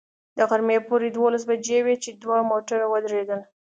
د غرمې پوره دولس بجې وې چې دوه موټر ودرېدل.